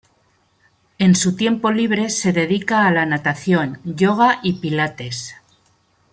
En su tiempo libre se dedica a la natación, yoga y pilates.